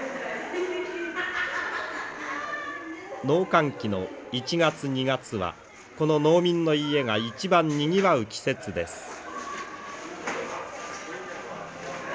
農閑期の１月２月はこの農民の家が一番にぎわう季節です。